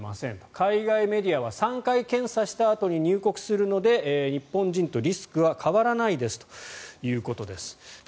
海外メディアは３回検査したあとに入国するので日本人とリスクは変わらないですということです。